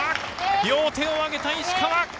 両手を上げた石川！